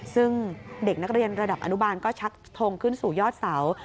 ซึ่งเด็กนักเรียนระดับอนุบาลก็ชักทงขึ้นสู่ยอดเสา